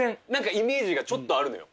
イメージがちょっとあるのよ。